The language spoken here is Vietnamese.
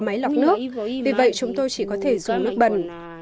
máy lọc nước vì vậy chúng tôi chỉ có thể dùng nước bẩn